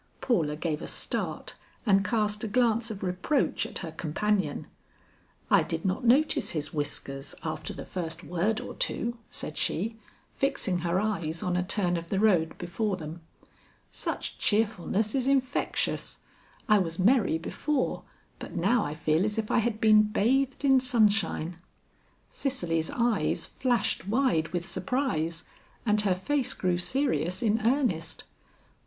Paula gave a start and cast a glance of reproach at her companion. "I did not notice his whiskers after the first word or two," said she, fixing her eyes on a turn of the road before them. "Such cheerfulness is infectious. I was merry before, but now I feel as if I had been bathed in sunshine." Cicely's eyes flashed wide with surprise and her face grew serious in earnest. "Mr.